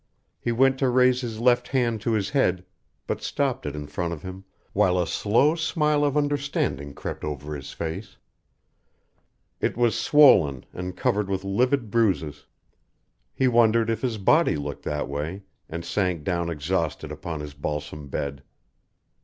He went to raise his left hand to his head, but stopped it in front of him, while a slow smile of understanding crept over his face. It was swollen and covered with livid bruises. He wondered if his body looked that way, and sank down exhausted upon his balsam bed.